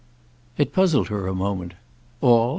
It puzzled her a moment. "All?